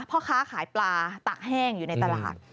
พ่อค้าขายปลาตากแห้งอยู่ในตลาด